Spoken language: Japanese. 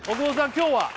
今日は？